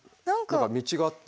何か道があって。